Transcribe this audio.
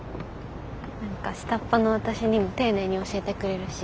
何か下っ端の私にも丁寧に教えてくれるし。